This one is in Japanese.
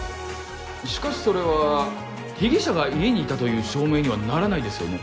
しかしそれは被疑者が「家にいた」という証明にはならないですよね？